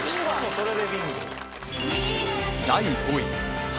それでビンゴ。